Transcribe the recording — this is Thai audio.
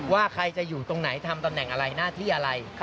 ว่าใครจะอยู่ตรงไหนทำตำแหน่งอะไรหน้าที่อะไร